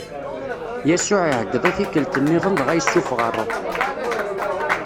Yasuɛ iɛeggeḍ i tikkelt-nniḍen dɣa yessufeɣ ṛṛuḥ.